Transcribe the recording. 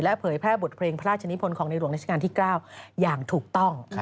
เผยแพร่บทเพลงพระราชนิพลของในหลวงราชการที่๙อย่างถูกต้อง